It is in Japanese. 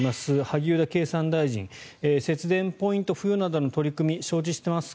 萩生田経産大臣節電ポイント付与などの取り組み承知しています。